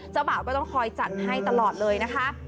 บ่าวก็ต้องคอยจัดให้ตลอดเลยนะคะ